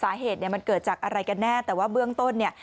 สาเหตุเนี่ยมันเกิดจากอะไรกันแน่แต่ว่าเบื้องต้นเนี่ย